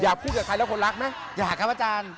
อยากพูดกับใครแล้วคนรักไหม